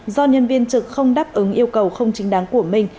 do nhân viên trực không đáp ứng yêu cầu không chính đáng của mình